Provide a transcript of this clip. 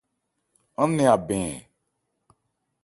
Án nɛn abɛn ɛ ?